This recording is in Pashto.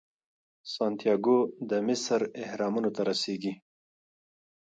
سانتیاګو د مصر اهرامونو ته رسیږي.